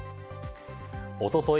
おととい